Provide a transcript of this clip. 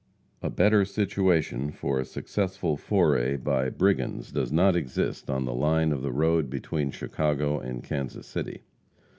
A better situation for a successful foray by brigands does not exist on the line of the road between Chicago and Kansas City.